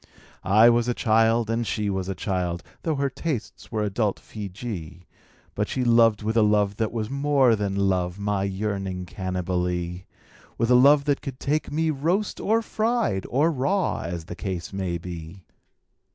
I was a child, and she was a child — Tho' her tastes were adult Feejee — But she loved with a love that was more than love, My yearning Cannibalee; With a love that could take me roast or fried Or raw, as the case might be.